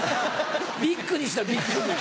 ビッグにしろビッグに。